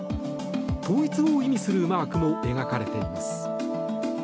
統一を意味するマークも描かれています。